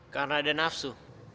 karena ada nafsu